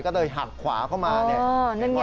ก็เลยหักขวาเข้ามาเนี่ย